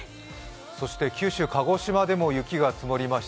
そして九州・鹿児島でも雪が積もりました。